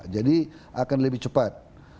jadi akan lebih cepat